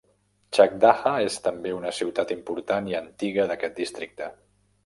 Chakdaha és també una ciutat important i antiga d'aquest districte.